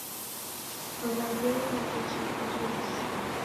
W'adia ilagho jake jose.